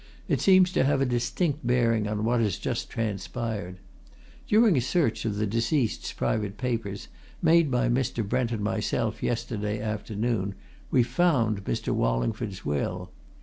"It seems to have a distinct bearing on what has just transpired. During a search of the deceased's private papers, made by Mr. Brent and myself, yesterday afternoon, we found Mr. Wallingford's will.